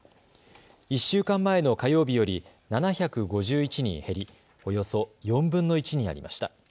１週間前の火曜日より７５１人減りおよそ４分の１になりました。